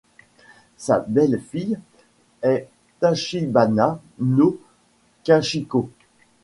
Sa belle-fille est Tachibana no Kachiko.